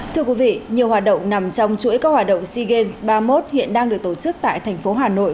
thưa quý vị nhiều hoạt động nằm trong chuỗi các hoạt động sea games ba mươi một hiện đang được tổ chức tại thành phố hà nội